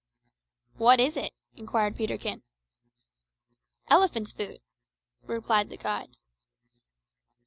"What is it?" inquired Peterkin. "Elephant's foot," replied the guide.